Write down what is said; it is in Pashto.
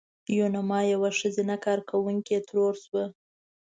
یوناما یوه ښځینه کارکوونکې ترور شوه.